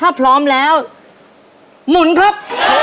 ถ้าปร้อมสิมุ่นครับ